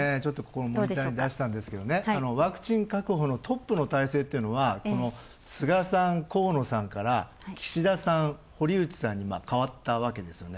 モニターに出したんですけど、ワクチン確保のトップの体制というのは菅さん、河野さんから岸田さん、堀内さんに代わったわけですよね。